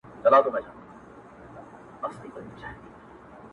ستا تصويرونه به تر کله په دُسمال کي ساتم؛